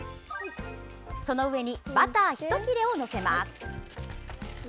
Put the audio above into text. その上にバター１切れを載せます。